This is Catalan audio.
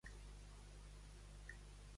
Quina frase resum aquesta ensenyança?